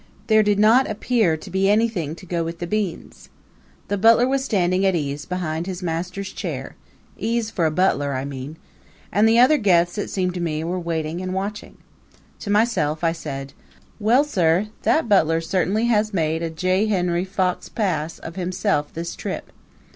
There did not appear to be anything to go with the beans. The butler was standing at ease behind his master's chair ease for a butler, I mean and the other guests, it seemed to me, were waiting and watching. To myself I said: "Well, sir, that butler certainly has made a J. Henry Fox Pass of himself this trip!